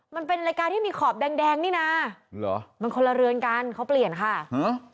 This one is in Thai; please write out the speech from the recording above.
มันเป็นรายการที่มีขอบแดงแดงนี่น่ะเหรอมันคนละเรือนกันเขาเปลี่ยนค่ะฮะ